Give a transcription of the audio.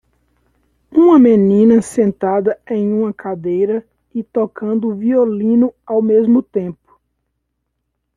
Uma menina sentada em uma cadeira e tocando violino ao mesmo tempo.